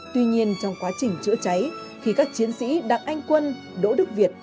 tuy nhiên trong quá trình chữa cháy khi các chiến sĩ đặng anh quân đỗ đức việt